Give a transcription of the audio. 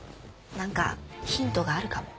何かヒントがあるかも。